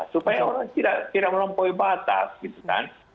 supaya orang tidak melampaui batas